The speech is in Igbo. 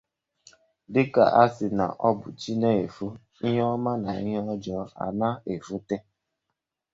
Dịka a sị na ọ bụ chi na-efo ihe ọma na ihe ọjọọ ana-efote